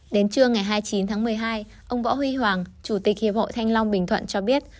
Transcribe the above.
đến trưa ngày hai mươi chín tháng một mươi hai ông võ huy hoàng chủ tịch hiệp hội thanh long bình thuận cho biết